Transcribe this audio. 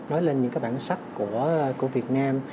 nói lên những bản sắc của việt nam